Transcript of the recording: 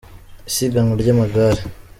Isiganwa ry’amagare